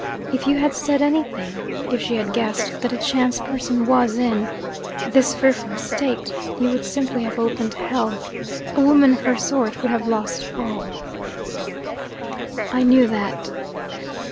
If you had said anything, if she had guessed that a chance person was in this fearful state, you would simply have opened hell. A woman of her sort would have lost all " "I knew that."